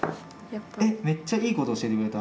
めっちゃいいこと教えてくれた。